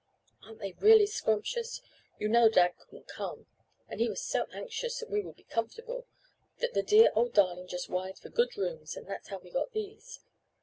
Aren't they really scrumptious? You know dad couldn't come, and he was so anxious that we would be comfortable, that the dear old darling just wired for good rooms, and that's how we got these.